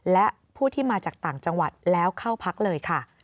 และผู้ที่มาจากต่างจังหวัดแล้วเข้าพักเลยค่ะ